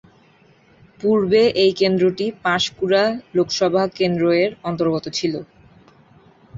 পূর্বে এই কেন্দ্রটি পাঁশকুড়া লোকসভা কেন্দ্র এর অন্তর্গত ছিল।